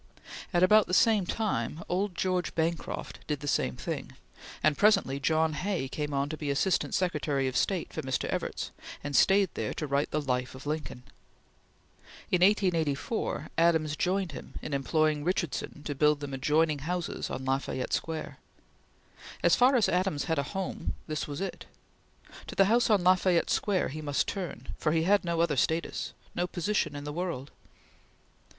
At about the same time, old George Bancroft did the same thing, and presently John Hay came on to be Assistant Secretary of State for Mr. Evarts, and stayed there to write the "Life" of Lincoln. In 1884 Adams joined him in employing Richardson to build them adjoining houses on La Fayette Square. As far as Adams had a home this was it. To the house on La Fayette Square he must turn, for he had no other status no position in the world.